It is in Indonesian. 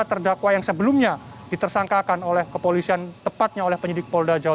terdakwa yang sebelumnya ditersangkakan oleh kepolisian tepatnya oleh penyidik polda jawa